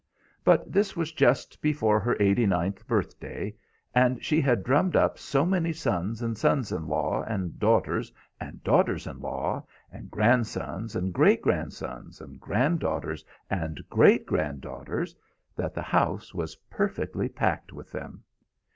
But this was just before her eighty ninth birthday, and she had drummed up so many sons and sons in law, and daughters and daughters in law, and grandsons and great grandsons, and granddaughters and great granddaughters, that the house was perfectly packed with them.